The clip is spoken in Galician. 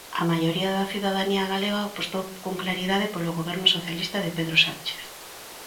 A maioría da cidadanía galega apostou con claridade polo Goberno socialista de Pedro Sánchez.